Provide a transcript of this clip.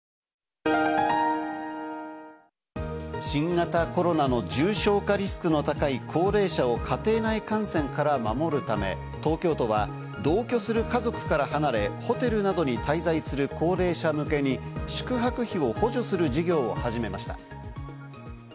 新型コロナの重症化リスクの高い高齢者を家庭内感染から守るため東京都は同居する家族から離れ、ホテルなどに滞在する高齢者向けに宿泊費を補助する事業を始めました。